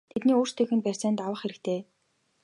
Тэднийг өөрсдийг нь барьцаанд авах хэрэгтэй!!!